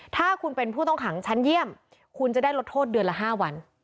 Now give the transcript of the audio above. ถ้าคุณเป็นผู้ต้องขังชั้นเยี่ยมคุณจะได้ลดโทษเดือนละ๕วัน